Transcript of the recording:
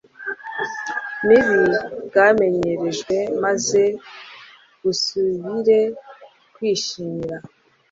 mibi bwamenyerejwe maze busubire kwishimira